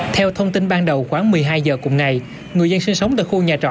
theo thông tin ban đầu khoảng một mươi hai giờ cùng ngày người dân sinh sống tại khu nhà trọ